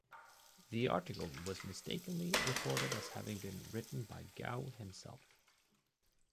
The article was mistakenly reported as having been written by Gou himself.